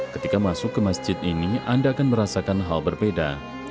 ketika masuk ke masjid ini anda akan merasakan hal berbeda